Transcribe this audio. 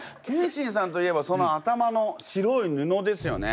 謙信さんといえばその頭の白い布ですよね。